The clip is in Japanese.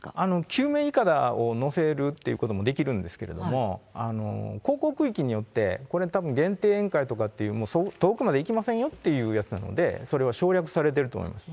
救命いかだを乗せるということもできるんですけれども、航行区域によって、これたぶん、限定沿海とかいう、遠くまで行きませんよっていうやつなので、それは省略されていると思います。